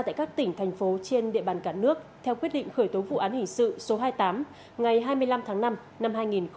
tại các tỉnh thành phố trên địa bàn cả nước theo quyết định khởi tố vụ án hình sự số hai mươi tám ngày hai mươi năm tháng năm năm hai nghìn một mươi chín